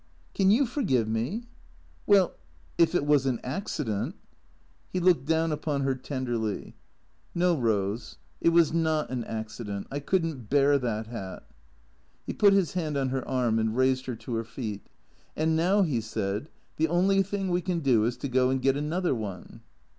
Can you forgive me ?"" Well — if it was an accident." He looked down upon her tenderly. THE CREATORS 37 " No, Rose, it was not an accident. I could n't bear that hat." He put his hand on her arm and raised her to her feet. " And now," he said, " the only thing we can do is to go and get another one."